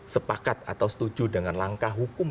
sepakat atau setuju dengan langkah hukum